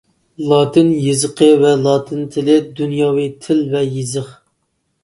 لاتىن يېزىقى ۋە لاتىن تىلى دۇنياۋى تىل ۋە يېزىق.